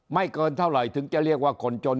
เกินเท่าไหร่ถึงจะเรียกว่าคนจน